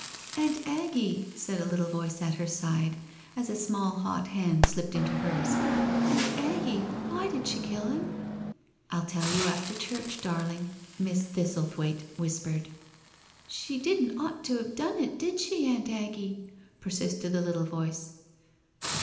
..."" Aunt Aggie/' said a little voice at her side, as a small hot hand slipped into hers, " Aunt Aggie, why did she kiU him?"" " I'll tell you after churchy darling," Miss Thistle thwaite whispered. " She didn't ought to've done it, did she, Aunt Aggie?" persisted the little voice.